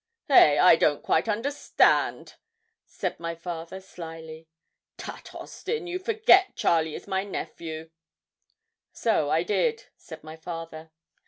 'Hey! I don't quite understand,' said my father, slily. 'Tut! Austin; you forget Charlie is my nephew.' 'So I did,' said my father.